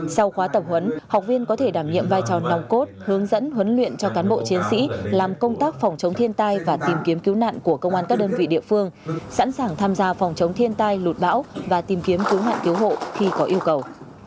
sau khóa tập huấn học viên có thể đảm nhiệm vai trò nòng cốt hướng dẫn huấn luyện cho cán bộ chiến sĩ làm công tác phòng chống thiên tai và tìm kiếm cứu nạn của công an các đơn vị địa phương sẵn sàng tham gia phòng chống thiên tai lụt bão và tìm kiếm cứu nạn cứu hộ khi có yêu cầu